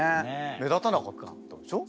目立たなかったでしょ？